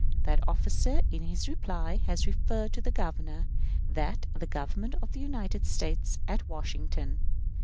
That officer, in his reply, has referred the Governor to the Government of the United States at Washington.